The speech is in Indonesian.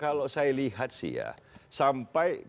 kalau saya lihat sih ya sampai